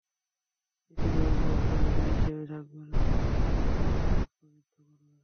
এটি কেবল মন্দ নজির হিসেবেই থাকবে না, নির্বাচনী ব্যবস্থাকেই প্রশ্নবিদ্ধ করবে।